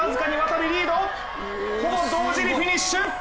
ほぼ同時にフィニッシュ！